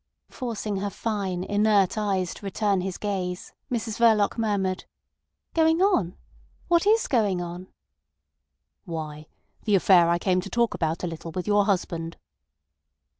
Forcing her fine, inert eyes to return his gaze, Mrs Verloc murmured: "Going on! What is going on?" "Why, the affair I came to talk about a little with your husband."